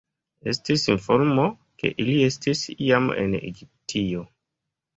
Estis informo, ke ili estis iam en Egiptio.